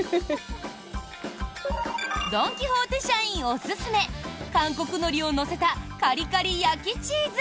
ドン・キホーテ社員おすすめ韓国のりを乗せたカリカリ焼きチーズ。